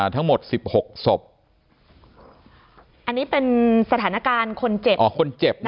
ทั้งหมดสิบหกศพอันนี้เป็นสถานการณ์คนเจ็บ